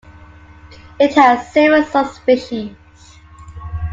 It has several subspecies.